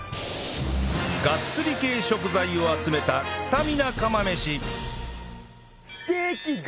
ガッツリ系食材を集めたスタミナ釜飯